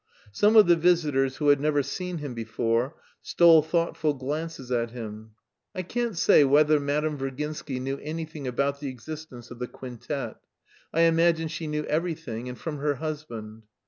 Some of the visitors who had never seen him before stole thoughtful glances at him. I can't say whether Madame Virginsky knew anything about the existence of the quintet. I imagine she knew everything and from her husband.